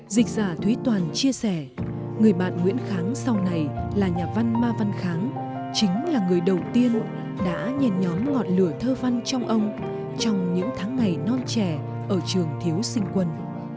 dịch giả thúy toàn chia sẻ người bạn nguyễn kháng sau này là nhà văn ma văn kháng chính là người đầu tiên đã nhền nhóm ngọn lửa thơ văn trong ông trong những tháng ngày non trẻ ở trường thiếu sinh quân